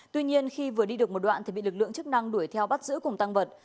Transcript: tuy nhiên khi vừa đi được một đoạn thì bị lực lượng chức năng đuổi theo bắt giữ cùng tăng vật